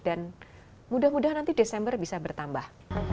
dan mudah mudahan nanti desember bisa bertambah